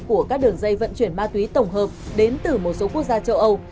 của các đường dây vận chuyển ma túy tổng hợp đến từ một số quốc gia châu âu